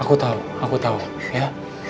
aku tahu aku tahu ya